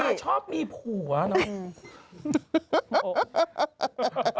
มันก็ชอบปูป